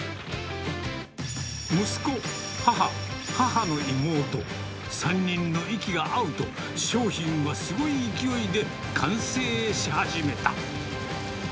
息子、母、母の妹、３人の息が合うと、商品はすごい勢いで完成し始めた。